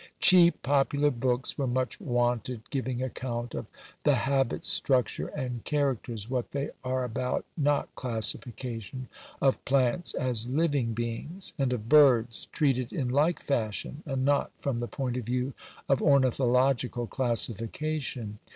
Cheap popular books were much wanted giving account of "the habits, structure, and characters (what they are about, not classification) of plants as living beings"; and of birds treated in like fashion, and not from the point of view of ornithological classification.